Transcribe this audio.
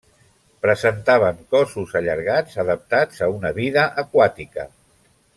Presentaven cossos allargats adaptats a una vida aquàtica.